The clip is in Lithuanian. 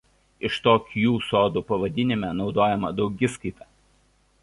Iš to Kju sodų pavadinime naudojama daugiskaita.